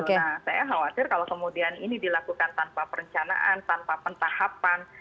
nah saya khawatir kalau kemudian ini dilakukan tanpa perencanaan tanpa pentahapan